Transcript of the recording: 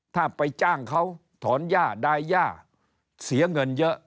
ถ้าไปจ้างเขาถอนย่าดายย่าเสียเงินเยอะ